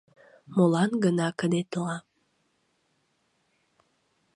Молан гына кыдетла -